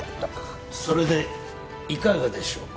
それでいかがでしょうか？